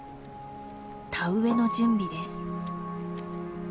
田植えの準備です。